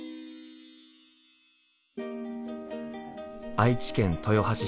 愛知県豊橋市。